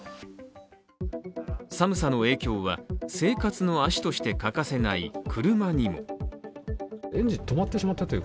寒さの影響は、生活の足として欠かせない車にも。